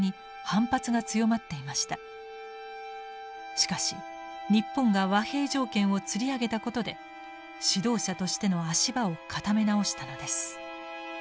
しかし日本が和平条件をつり上げたことで指導者としての足場を固め直したのです。